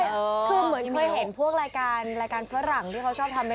คือเหมือนเคยเห็นพวกรายการรายการฝรั่งที่เขาชอบทำเป็น